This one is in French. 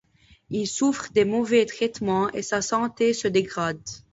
Il souffre des mauvais traitements et sa santé se dégrade.